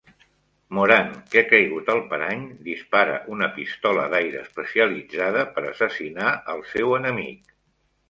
Moran, que ha caigut al parany, dispara una pistola d'aire especialitzada per assassinar el seu enemic.